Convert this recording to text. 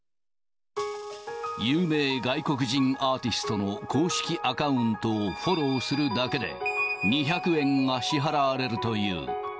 有名外国人アーティストの公式アカウントをフォローするだけで、２００円が支払われるという。